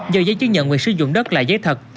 do giấy chứng nhận quyền sử dụng đất là giấy thật